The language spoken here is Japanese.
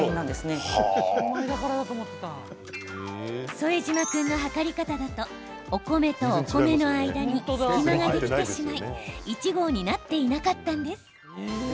副島君の量り方だとお米とお米の間に隙間ができてしまい１合になっていなかったんです。